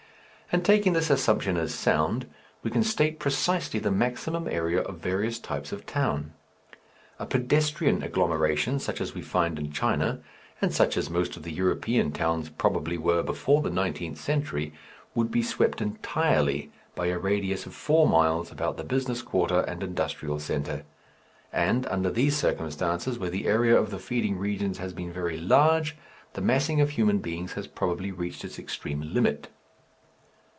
And taking this assumption as sound, we can state precisely the maximum area of various types of town. A pedestrian agglomeration such as we find in China, and such as most of the European towns probably were before the nineteenth century, would be swept entirely by a radius of four miles about the business quarter and industrial centre; and, under these circumstances, where the area of the feeding regions has been very large the massing of human beings has probably reached its extreme limit.